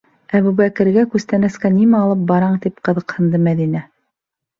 Әбүбәкергә күстәнәскә нимә алып бараң? - тип ҡыҙыҡһынды Мәҙинә.